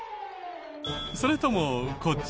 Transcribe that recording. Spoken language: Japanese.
それともこっち？